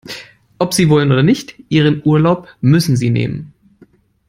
Ob Sie wollen oder nicht, Ihren Urlaub müssen Sie nehmen.